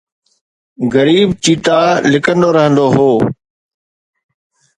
غريب چيتا لڪندو رهندو هو